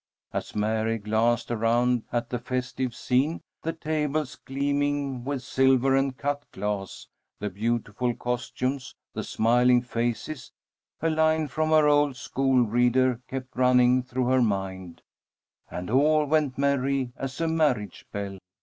As Mary glanced around at the festive scene, the tables gleaming with silver and cut glass, the beautiful costumes, the smiling faces, a line from her old school reader kept running through her mind: "_And all went merry as a marriage bell!